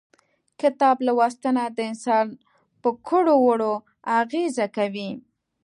کتاب لوستنه د انسان پر کړو وړو اغيزه کوي.